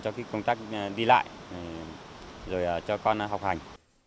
cho cái công tác đi lại rồi cho con học hành